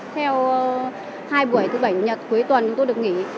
theo hai buổi thứ bảy nhật cuối tuần chúng tôi được nghỉ